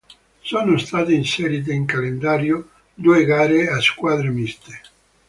Sono state inserite in calendario due gare a squadre miste.